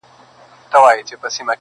په هر کور کي د طوطي کیسه توده وه!